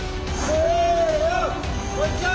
・せの！